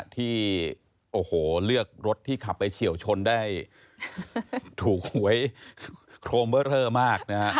ที่เลือกรถที่ขับไปเฉียวชนได้ถูกไว้โครเมอร์เทอร์มาก